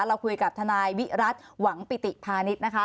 เราคุยกับทนายวิรัติหวังปิติพาณิชย์นะคะ